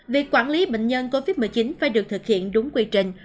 việc quản lý bệnh nhân covid một mươi chín phải được thực hiện đúng quy trình